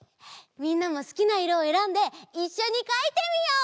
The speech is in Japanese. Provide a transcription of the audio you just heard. みんなもすきないろをえらんでいっしょにかいてみよう！